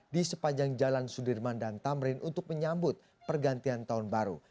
di sepanjang jalan sudirman dan tamrin untuk menyambut pergantian tahun baru